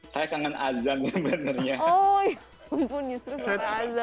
saya kangen azan ya benarnya